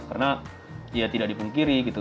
karena ya tidak dipungkiri gitu